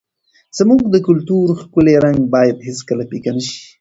زموږ د کلتور ښکلی رنګ باید هېڅکله پیکه نه سي.